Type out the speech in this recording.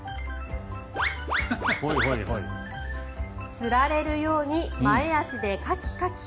つられるように前足でカキカキ。